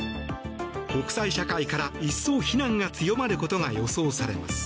国際社会から一層非難が強まることが予想されます。